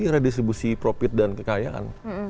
redistribusi profit dan kekayaan